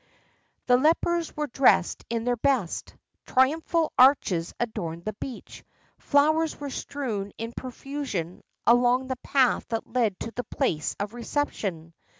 The lepers were dressed in their best. Triumphal arches adorned the beach. Flowers were strewn in profusion along the path that led to the place of reception.